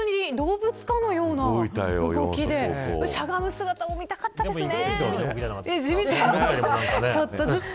本当に動物かのような動きでしゃがむ姿も見たかったですね。